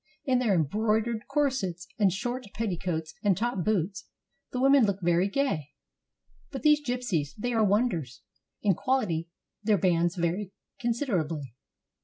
In their embroidered corsets and short petticoats and top boots the women look very gay. But these gypsies — they are wonders. In quality their bands vary considerably.